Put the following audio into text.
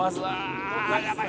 やばい！